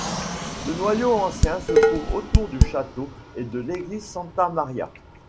Le noyau ancien se trouve autour du château et de l'église Santa Maria.